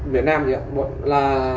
việt nam vậy ạ